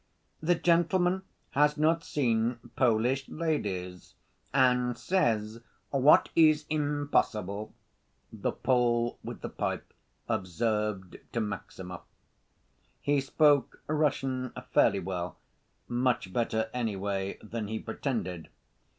"The gentleman has not seen Polish ladies, and says what is impossible," the Pole with the pipe observed to Maximov. He spoke Russian fairly well, much better, anyway, than he pretended.